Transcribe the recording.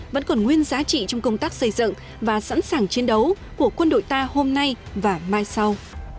vẫn còn nguyên giá trị trong công tác xây dựng và sẵn sàng chiến đấu của quân đội ta hôm nay và mai sau